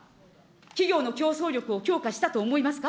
企業の競争力を強化したと思いますか。